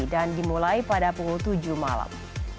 dan dimulai pada pukul tujuh malam